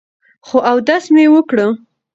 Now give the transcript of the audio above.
خو اودس مې وکړو ـ